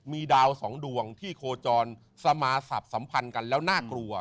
มีดาวสองดวงที่โคจรสมาศัพท์สัมพันธ์กันแล้วน่ากลัว